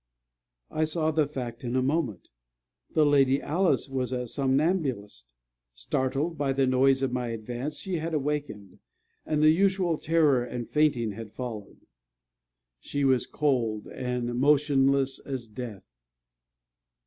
I saw the fact in a moment: the Lady Alice was a somnambulist. Startled by the noise of my advance, she had awaked; and the usual terror and fainting had followed. She was cold and motionless as death.